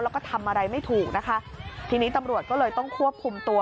แล้วก็ทำอะไรไม่ถูกนะคะทีนี้ตำรวจก็เลยต้องควบคุมตัว